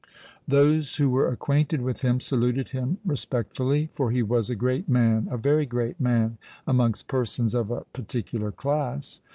Those who were acquainted with him saluted him respectfully; for he was a great man—a very great man—amongst persons of a particular class.